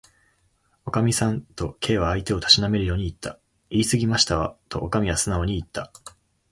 「おかみさん」と、Ｋ は相手をたしなめるようにいった。「いいすぎましたわ」と、おかみはすなおにいった。